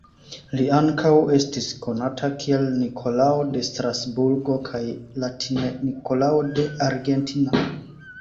Li ankaŭ estis konata kiel Nikolao de Strasburgo kaj latine Nikolao de Argentina.